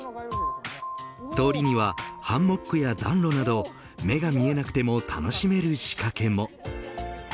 通りにはハンモックや暖炉など目が見えなくても楽しめる仕掛けも。